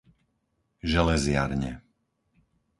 Železiarne